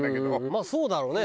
まあそうだろうね。